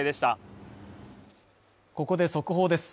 ここで速報です。